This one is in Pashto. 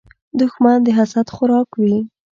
دښمن د حسد خوراک وي